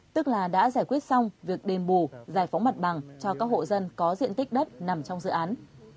tức là đã giải quyết xong việc đền bù giải phóng mặt bằng cho các hộ dân có diện tích đất nằm trong dự án